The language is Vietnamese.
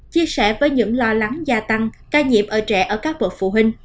chia sẻ với những lo lắng gia tăng ca nhiễm ở trẻ ở các bậc phụ huynh